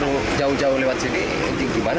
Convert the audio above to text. lalu jauh jauh lewat sini ini gimana